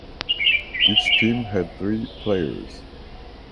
Each team had three players.